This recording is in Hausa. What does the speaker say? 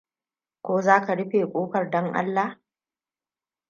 Ko za ka rufe ƙofar, dan Allah?